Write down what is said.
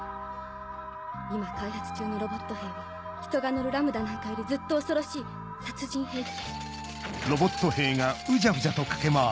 今開発中のロボット兵は人が乗るラムダなんかよりずっと恐ろしい殺人兵器。